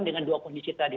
dengan dua kondisi tadi